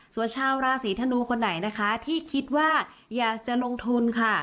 ส่วนชาวราศีธนูคนไหนนะคะที่คิดว่าอยากจะลงทุนค่ะ